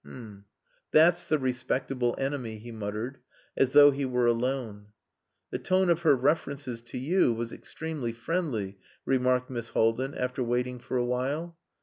"H'm. That's the respectable enemy," he muttered, as though he were alone. "The tone of her references to you was extremely friendly," remarked Miss Haldin, after waiting for a while.